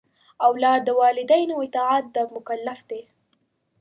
اولاد د والدینو اطاعت ته مکلف دی.